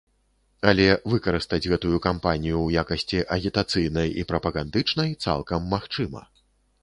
Але выкарыстаць гэтую кампанію ў якасці агітацыйнай і прапагандычнай цалкам магчыма.